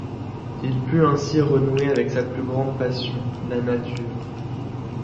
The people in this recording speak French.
Il put ainsi renouer avec sa plus grande passion, la nature.